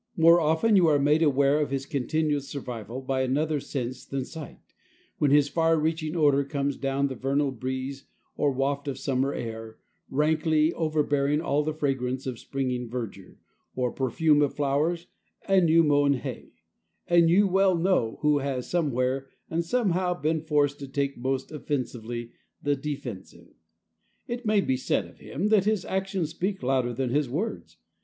More often are you made aware of his continued survival by another sense than sight, when his far reaching odor comes down the vernal breeze or waft of summer air, rankly overbearing all the fragrance of springing verdure, or perfume of flowers and new mown hay, and you well know who has somewhere and somehow been forced to take most offensively the defensive. It may be said of him that his actions speak louder than his words.